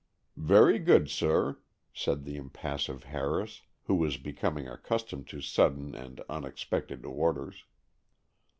"Very good, sir," said the impassive Harris, who was becoming accustomed to sudden and unexpected orders.